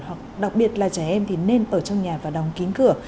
hoặc đặc biệt là trẻ em thì nên ở trong nhà và đóng kín cửa